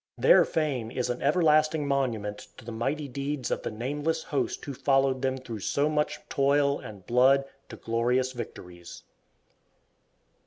Their fame is an everlasting monument to the mighty deeds of the nameless host who followed them through so much toil and blood to glorious victories.